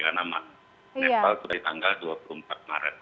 karena nepal sudah di tanggal dua puluh empat maret